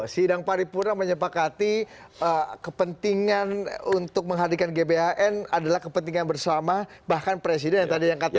sidang paripurna menyepakati kepentingan untuk menghadirkan gbhn adalah kepentingan bersama bahkan presiden yang tadi yang katakan